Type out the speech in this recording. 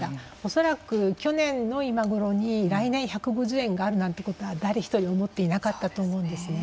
恐らく去年の今頃に来年１５０円があるなんてことは誰一人思っていなかったと思うんですね。